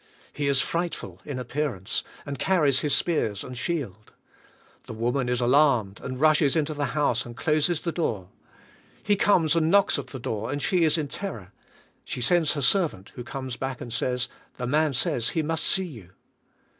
He is frightful in appearance, and car ries his spears and shield. The woman is alarmed and rushes into the house and closes the door. He comes and knocks at the door, and she is in terror. She sends her servant, who comes back and says, "The man says he must see you."